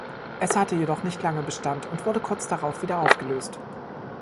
Es hatte jedoch nicht lange Bestand und wurde kurz darauf wieder aufgelöst.